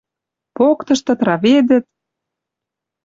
Поктыштыт, раведӹт.